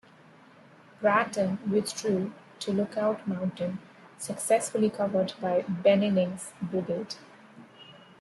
Bratton withdrew to Lookout Mountain, successfully covered by Benning's brigade.